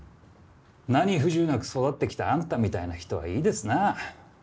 何不自由なく育ってきたあんたみたいな人はいいですなあ。